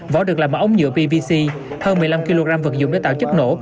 vỏ được làm ở ống nhựa pvc hơn một mươi năm kg vật dụng để tạo chất nổ